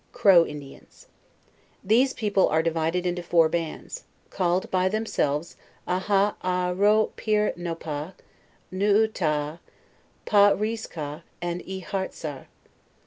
CROW INDIANS. These people are divided into four bands, called by themselves Ahah ar ro pir no pah, Noo taa, Pa rees car, and E liart sar.